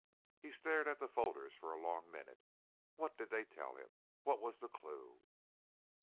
He stared at the folders for a long minute. What did they tell him? What was the clue?